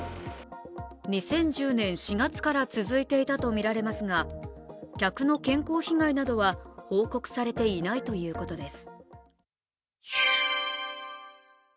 ２０１０年４月から続いていたとみられますが、客の健康被害などは報告されていないということです。